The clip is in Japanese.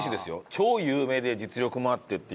超有名で実力もあってっていう。